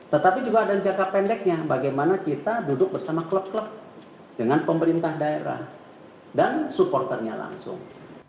tetapi juga ada jangka pendeknya bagaimana kita duduk bersama klub klub dengan pemerintah daerah dan supporternya langsung